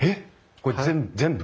これぜ全部？